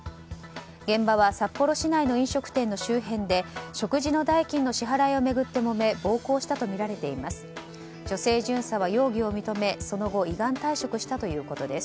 現場は札幌市内の飲食店の周辺で食事の代金の支払いを巡ってもめ暴行したとみられています。